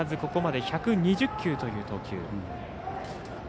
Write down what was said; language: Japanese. ここまで１２０球という投球。